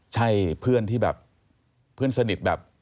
ใช่เพื่อนที่แบบเพื่อนสนิทแบบ